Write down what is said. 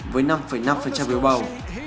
với năm năm phiếu bầu